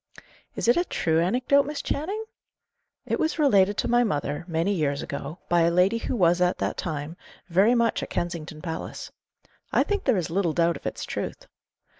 "Is it a true anecdote, Miss Channing?" "It was related to my mother, many years ago, by a lady who was, at that time, very much at Kensington Palace. I think there is little doubt of its truth.